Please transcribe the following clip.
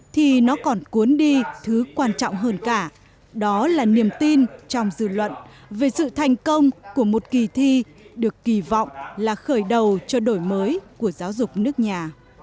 thì nó còn cuốn đi thứ quan trọng hơn cả đó là niềm tin trong dư luận về sự thành công của một kỳ thi được kỳ vọng là khởi đầu cho đổi mới của giáo dục nước nhà